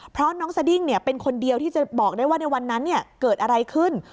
เพราะน้องสดิ้งเป็นคนเดียวที่จะบอกได้ว่าในวันนั้นเกิดอะไรขึ้น